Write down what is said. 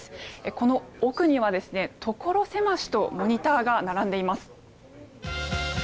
この奥には、ところ狭しとモニターが並んでいます。